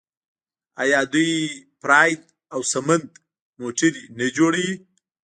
آیا دوی پراید او سمند موټرې نه جوړوي؟